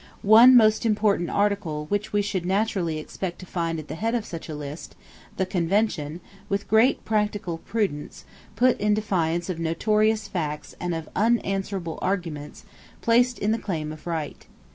One most important article which we should naturally expect to find at the head of such a list, the Convention, with great practical prudence, but in defiance of notorious facts and of unanswerable arguments, placed in the Claim of Right.